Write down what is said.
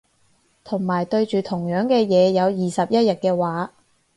同埋對住同樣嘅嘢有二十一日嘅話